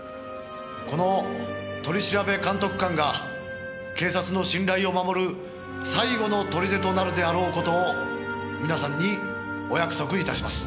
「この取調監督官が警察の信頼を守る最後の砦となるであろう事を皆さんにお約束いたします」